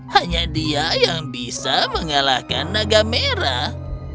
hanya dia yang bisa mengalahkan naga merah